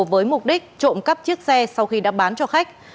với mục đích trộm cắp chiếc xe sau khi đã bán cho khách